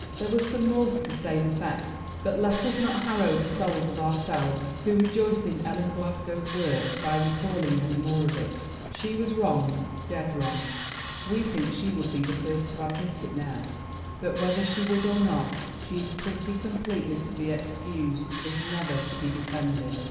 There was some more to the same effect, but let us not harrow the souls of ourselves who rejoice in Ellen Glasgow's work by recalling any more of it. She was wrong, dead wrong; we think she would be the first to admit it now, but whether she would or not she is pretty com pletely to be excused if never to be defended.